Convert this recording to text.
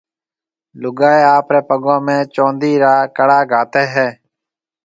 لوگائيَ آپريَ پگون ۾ چوندِي را ڪڙا گھاتيَ ھيََََ